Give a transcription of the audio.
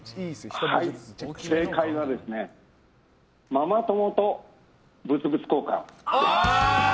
正解は、ママ友と物々交換。